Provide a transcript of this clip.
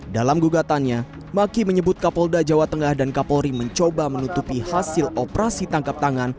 dalam gugatannya maki menyebut kapolda jawa tengah dan kapolri mencoba menutupi hasil operasi tangkap tangan